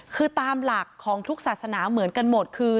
คือตามหลักของทุกศาสนาเหมือนกันหมดคือ